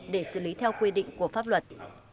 để xử lý theo quy định của pháp luật